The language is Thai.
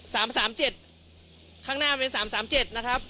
สามสามเจ็ดข้างหน้ามันเป็นสามสามเจ็ดนะครับ